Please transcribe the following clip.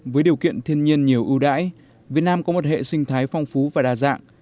với điều kiện thiên nhiên nhiều ưu đãi việt nam có một hệ sinh thái phong phú và đa dạng